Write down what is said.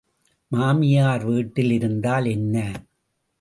மாமியார் வீட்டில் இருந்தால் என்ன?